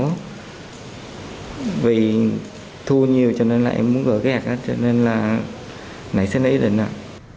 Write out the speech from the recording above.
thì thu nhiều cho nên lại em muốn gỡ ghẹt cho nên là này sẽ lấy được